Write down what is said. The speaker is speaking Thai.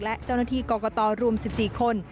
และเจ้าหน้าที่กรกตรวม๑๔คน